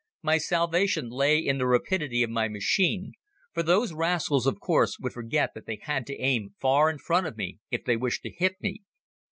My salvation lay in the rapidity of my machine, for those rascals, of course, would forget that they had to aim far in front of me if they wished to hit me.